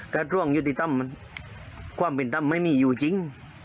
แต่ร่วงยุติธรรมความเป็นธรรมไม่มีอยู่จริง